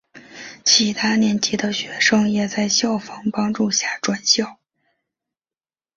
其他年级的学生也在校方帮助下转校。